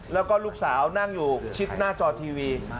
แล้วก็ลูกสาวนั่งอยู่ชิดหน้าจอทีวี